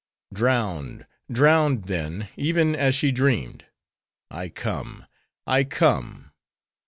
"Drowned! drowned then, even as she dreamed:—I come, I come!